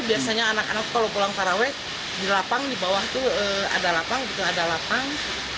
biasanya anak anak kalau pulang taraweh di lapang di bawah itu ada lapang gitu ada lapang